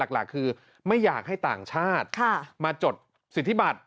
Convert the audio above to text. หลักคือไม่อยากให้ต่างชาติมาจดสิทธิบัติ